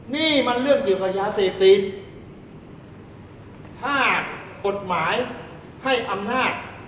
นี่มันเรื่องเกี่ยวกับยาเสพติดถ้ากฎหมายให้อำนาจ